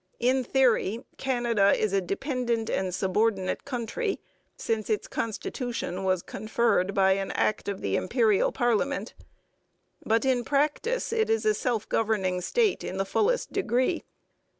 In theory Canada is a dependent and subordinate country, since its constitution was conferred by an Act of the Imperial parliament, but in practice it is a self governing state in the fullest degree.